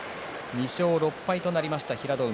２勝６敗となりました、平戸海。